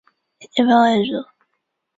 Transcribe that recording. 本条目记载了有关日本的妖怪。